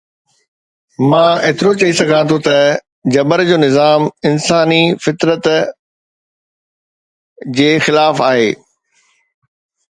مان ايترو چئي سگهان ٿو ته جبر جو نظام انساني فطرت جي خلاف آهي.